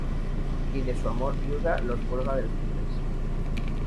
y de su amor viuda los cuelga del ciprés.